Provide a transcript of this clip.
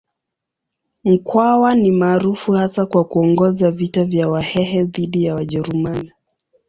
Mkwawa ni maarufu hasa kwa kuongoza vita vya Wahehe dhidi ya Wajerumani.